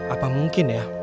apa mungkin ya